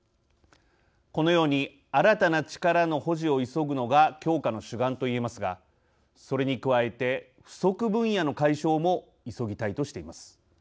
このように新たな力の保持を急ぐのが強化の主眼と言えますがそれに加えて不足分野の解消も急ぎたいとしています。